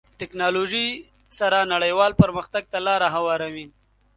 ټکنالوژي سره نړیوال پرمختګ ته لاره هواروي.